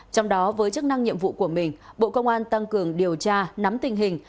trong đó với chức năng nhiệm vụ của mình bộ công an tăng cường điều tra nắm tình hình